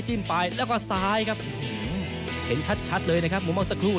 ไปแล้วก็ซ้ายครับเห็นชัดเลยนะครับมุมมองสักครู่